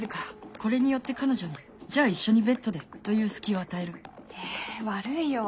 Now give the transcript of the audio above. これによって彼女に「じゃあ一緒にベッドで」と言う隙を与えるえ悪いよ